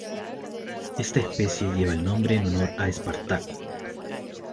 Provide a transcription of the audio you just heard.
Esta especie lleva el nombre en honor a Espartaco.